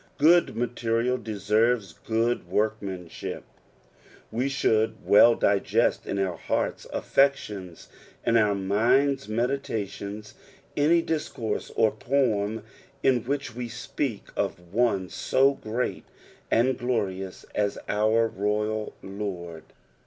Good materia) deserves good work manship. We should well digest in our heart's affections and our mind's meditations any discourse or poem in which we speak of one SO great and glorious as our Royal Lord.